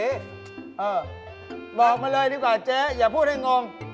เออบอกมาเลยดีกว่าเจ๊อย่าพูดให้งง